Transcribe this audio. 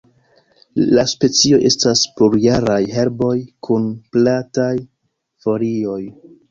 La specioj estas plurjaraj herboj kun plataj folioj.